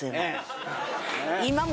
今も？